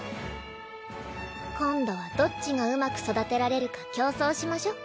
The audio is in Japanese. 今度はどっちがうまく育てられるか競争しましょ。